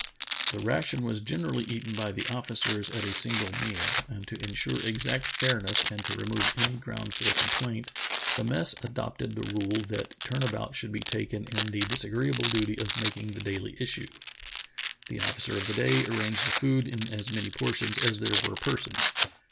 " The ration was generally eaten by the officers at a single meal, and to insure exact fairness, and to remove any ground for complaint, the mess adopted the rule that turn about should be taken in the disagreeable duty of making the daily issue. The officer of the day arranged the food in as many portions as there were persons.